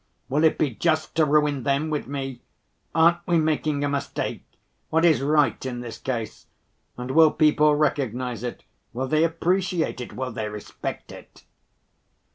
Will it be just to ruin them with me? Aren't we making a mistake? What is right in this case? And will people recognize it, will they appreciate it, will they respect it?"